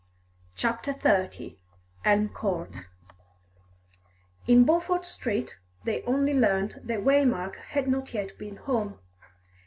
CHAPTER XXX ELM COURT In Beaufort Street they only learnt that Waymark had not yet been home.